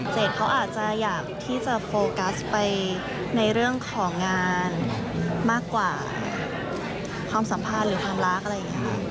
เขาอาจจะอยากที่จะโฟกัสไปในเรื่องของงานมากกว่าความสัมพันธ์หรือความรักอะไรอย่างนี้ค่ะ